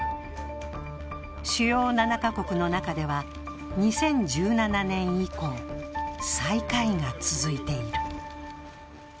主要７か国の中では２０１７年以降、最下位が続いている。